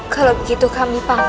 kalau begitu kami pamit